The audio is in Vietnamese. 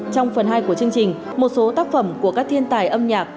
trong phần hai của chương trình một số tác phẩm của các thiên tài âm nhạc